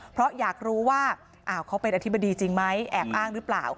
เพราะอยากรู้ว่าเขาเป็นอธิบดีจริงไหมแอบอ้างหรือเปล่า